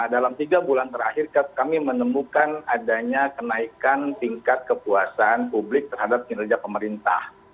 dalam tiga bulan terakhir kami menemukan adanya kenaikan tingkat kepuasan publik terhadap kinerja pemerintah